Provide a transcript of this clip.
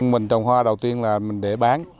mình trồng hoa đầu tiên là mình để bán